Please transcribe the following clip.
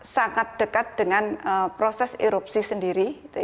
sangat dekat dengan proses erupsi sendiri